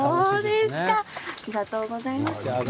ありがとうございます。